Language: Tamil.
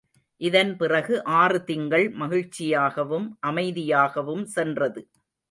இதன் பிறகு ஆறு திங்கள் மகிழ்ச்சியாகவும் அமைதியாகவும் சென்றது.